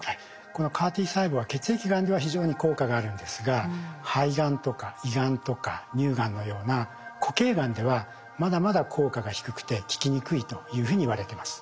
このＣＡＲ−Ｔ細胞は血液がんでは非常に効果があるんですが肺がんとか胃がんとか乳がんのような固形がんではまだまだ効果が低くて効きにくいというふうにいわれてます。